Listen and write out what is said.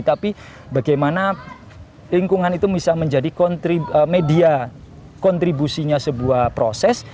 tapi bagaimana lingkungan itu bisa menjadi media kontribusinya sebuah proses